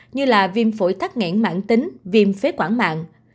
như là viêm phổi thắt ngẹn mạng tính viêm phế quảng mạng